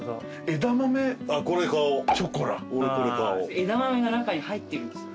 枝豆が中に入ってるんですよ。